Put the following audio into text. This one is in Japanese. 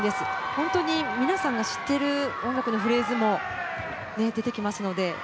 本当に皆さんの知っている音楽のフレーズも出てきますので。